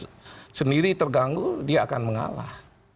kalau untuk kepentingannya sendiri terganggu dia akan mengalah